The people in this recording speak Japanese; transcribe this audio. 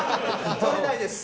取れないです。